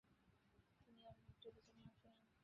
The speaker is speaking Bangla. তিনি অন্য একটি অভিযানে অংশ নেন।